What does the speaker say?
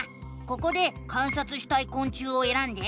ここで観察したいこん虫をえらんで。